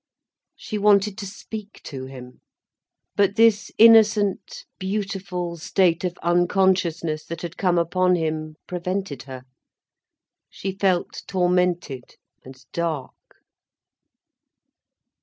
She wanted to speak to him. But this innocent, beautiful state of unconsciousness that had come upon him prevented her. She felt tormented and dark.